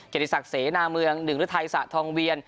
ติศักดิเสนาเมืองหนึ่งฤทัยสะทองเวียน